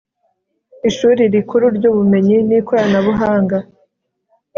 ishuri rikuru ry ubumenyi n ikoranabuhanga